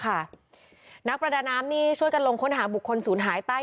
นักประดาน้ำนี่ช่วยกันลงค้นหาบุคคลศูนย์หายใต้